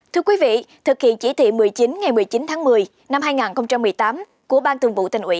thưa quý vị thực hiện chỉ thị một mươi chín ngày một mươi chín tháng một mươi năm hai nghìn một mươi tám của ban thường vụ thành ủy